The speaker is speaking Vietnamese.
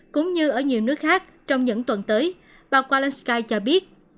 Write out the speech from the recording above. cũng như ở nhiều nước khác trong những tuần tới bà kalensky cho biết